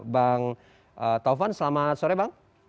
bang taufan selamat sore bang